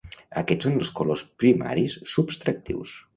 Aquests són els colors primaris "subtractius".